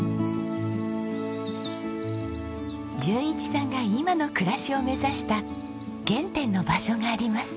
淳一さんが今の暮らしを目指した原点の場所があります。